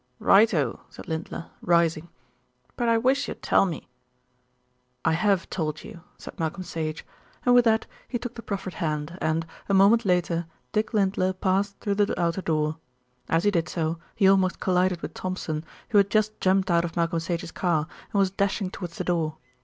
"Right o!" said Lindler, rising; "but I wish you'd tell me " "I have told you," said Malcolm Sage, and with that he took the proffered hand and, a moment later, Dick Lindler passed through the outer door. As he did so, he almost collided with Thompson, who had just jumped out of Malcolm Sage's car and was dashing towards the door.